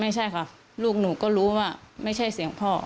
ไม่ใช่ค่ะลูกหนูก็รู้ว่าไม่ใช่เสียงพ่อ